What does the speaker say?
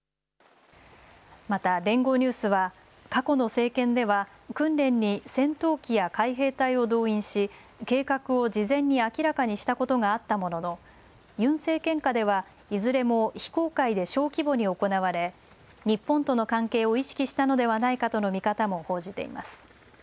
また連合ニュースは過去の政権では訓練に戦闘機や海兵隊を動員し計画を事前に明らかにしたことがあったもののユン政権下ではいずれも非公開で小規模に行われ日本との関係を意識したのではないかとの見方も報じています。